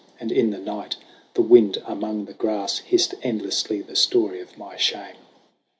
And in the night the wind among the grass Hissed endlessly the story of my shame.